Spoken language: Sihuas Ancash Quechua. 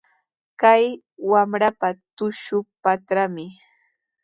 Kay wamraqa tushupatrami.